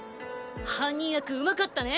犯人役うまかったね。